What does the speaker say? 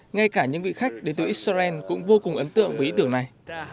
ngay cả những vị khách đến từ israel cũng vô cùng ấn tượng với ý tưởng này